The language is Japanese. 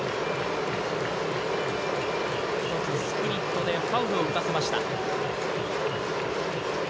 スプリットでファウルを打たせました。